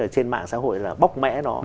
trên mạng xã hội là bóc mẽ nó